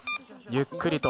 ゆっくりと。